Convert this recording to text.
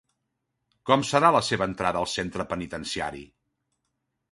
Com serà la seva entrada al centre penitenciari?